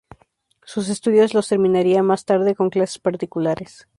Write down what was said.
Sus estudios los terminaría más tarde con clases particulares.